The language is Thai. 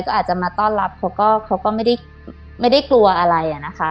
ก็อาจจะมาต้อนรับเขาก็เขาก็ไม่ได้กลัวอะไรอะนะคะ